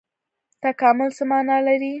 تکامل څه مانا لري؟